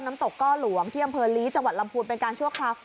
น้ำตกก้อหลวงที่อำเภอลีจังหวัดลำพูนเป็นการชั่วคราว